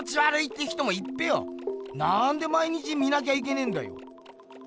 なんで毎日見なきゃいけねんだよ？